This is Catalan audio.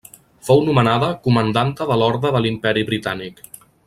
Fou nomenada Comandanta de l'Orde de l'Imperi Britànic.